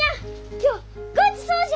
今日ごちそうじゃ！